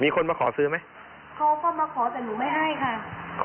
มีคนมาขอซื้อไหมเขาก็มาขอแต่หนูไม่ให้ค่ะ